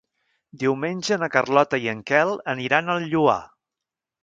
Diumenge na Carlota i en Quel aniran al Lloar.